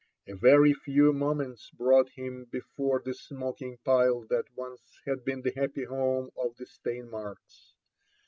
A very few moments brought him before the smoking pile that once had been the happy home of the Steinmarks.